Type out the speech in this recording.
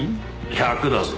１００だぞ。